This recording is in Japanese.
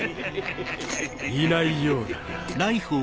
いないようだな。